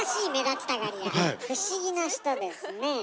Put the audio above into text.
不思議な人ですねえ。